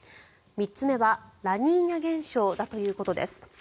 ３つ目はラニーニャ現象だということです。